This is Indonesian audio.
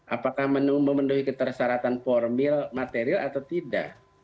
apakah memenuhi ketersyaratan formil material atau tidak